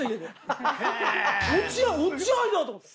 落合落合だ！と思って。